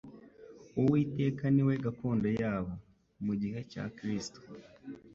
Uwiteka ni we gakondo yabo.'-» Mu gihe cya Kristo,